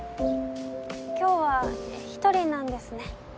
今日は１人なんですね。